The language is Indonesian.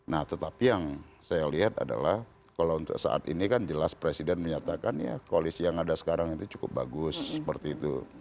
nah tetapi yang saya lihat adalah kalau untuk saat ini kan jelas presiden menyatakan ya koalisi yang ada sekarang itu cukup bagus seperti itu